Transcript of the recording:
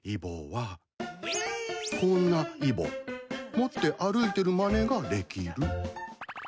持って歩いてるまねができる。